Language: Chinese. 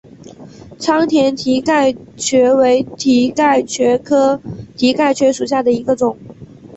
仓田蹄盖蕨为蹄盖蕨科蹄盖蕨属下的一个种。